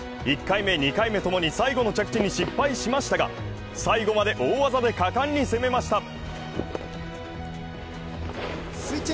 １回目、２回目ともに最後の着地に失敗しましたが、最後まで大技で果敢に攻めました。